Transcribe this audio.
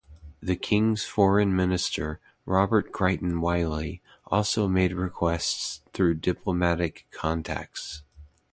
The King's foreign minister, Robert Crichton Wyllie, also made requests through diplomatic contacts.